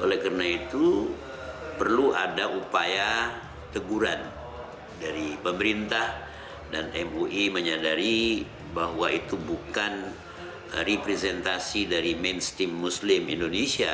oleh karena itu perlu ada upaya teguran dari pemerintah dan mui menyadari bahwa itu bukan representasi dari mainstream muslim indonesia